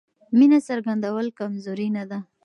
مینه څرګندول کمزوري نه ده.